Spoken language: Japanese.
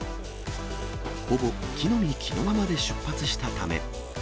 ほぼ着のみ着のままで出発したため。